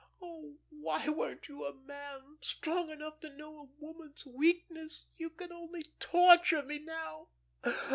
"Oh, why weren't you a man, strong enough to know a woman's weakness? You can only torture me now.